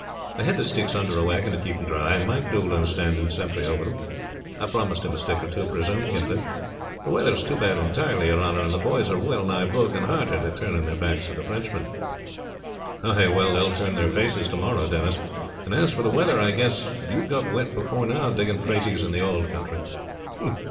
I hid the sticks under a wagon to keep them dry, and Mike Doolan is standing sentry over them. I promised him a stick or two for his own kindling. The weather is too bad entirely, your honor, and the boys are well nigh broken hearted at turning their backs to the Frenchmen." "Ah, well, they will turn their faces to morrow, Denis; and as for the weather, I guess you have got wet before now digging praties in the old country."